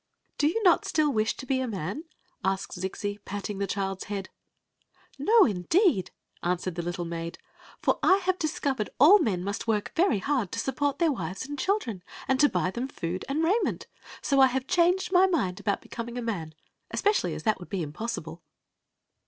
"Do you not still wish to be a man?" asked Zixi, patting the child's head. " No, indeed !" answered the little maid " For I have discovered all men must work very hard to sup port their wives and children, and to buy them food and raiment. So I have changed my mind about becom ing a man, especially as that would be impossible."